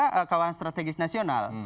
karena ini kawan strategis nasional